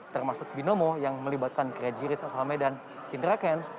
termasuk binomo yang melibatkan krijiritsa salmedan indrakens